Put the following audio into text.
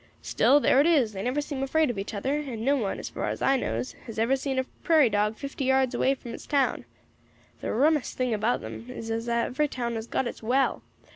Still, there it is; they never seem afraid of each other, and no one, as far as I knows, has ever seen a prairie dog fifty yards away from his town. The rummest thing about them is as every town has got its well.